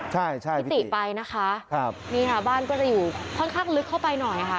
ใช่ใช่พี่ติไปนะคะครับนี่ค่ะบ้านก็จะอยู่ค่อนข้างลึกเข้าไปหน่อยค่ะ